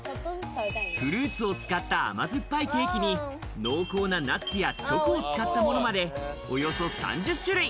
フルーツを使った甘酸っぱいケーキに、濃厚なナッツやチョコを使ったものまでおよそ３０種類。